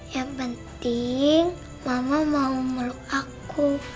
yang penting mama mau memeluk aku